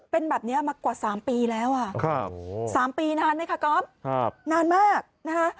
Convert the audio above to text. เป็นแบบนี้มากว่า๓ปีแล้วอ่ะครับ๓ปีนานไหมคะก๊อฟนานมากนะคะ